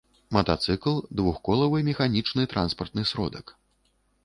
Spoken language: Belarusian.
матацыкл — двухколавы механiчны транспартны сродак